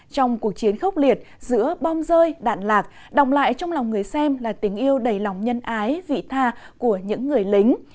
trong cuộc chiến khốc liệt giữa bom rơi đạn lạc đồng lại trong lòng người xem là tình yêu đầy lòng nhân ái vị tha của những người lính